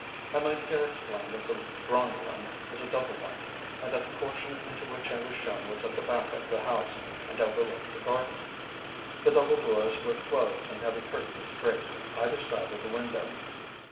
I might here explain that the drawing room is a double one, and that the portion into which I was shown was at the back of the house, and overlooked the garden. The double doors were closed and heavy curtains draped either side of the window.